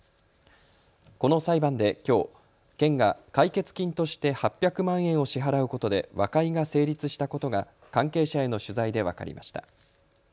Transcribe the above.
この裁判できょう県が解決金として８００万円を支払うことで和解が成立したことが関係者への取材で分かりました。